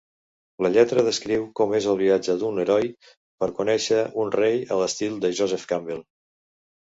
La lletra descriu com és el "viatge d'un heroi" per conèixer un rei a l'estil de Joseph Campbell.